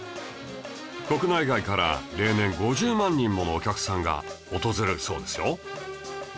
国内外から例年５０万人ものお客さんが訪れるそうですよ